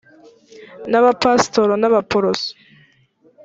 n abapasitori b abaporoso